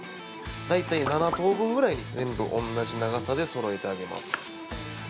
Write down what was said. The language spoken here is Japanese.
大体、７等分ぐらいに全部同じ長さでそろえてあげます。